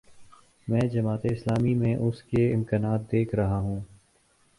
میں جماعت اسلامی میں اس کے امکانات دیکھ رہا ہوں۔